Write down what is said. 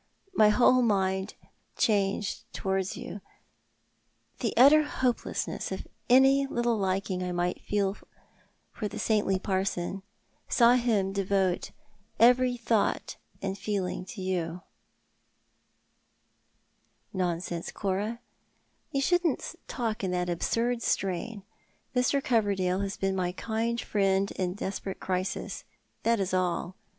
My whole mind changed towards you when I saw the utter hopelessness of any little liking I might feel for the saintly parson — saw him devote every thought and feeling to you "" Nonsense, Cora ; you mustn't talk in that absurd strain. Mr. Coverdale has been my kind friend in a desperate crisis — that is all.